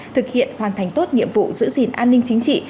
thực hiện hoàn thành tốt nhiệm vụ giữ gìn an ninh chính trị